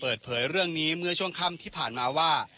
เปิดเผยเรื่องนี้เมื่อช่วงค่ำที่ผ่านมาว่า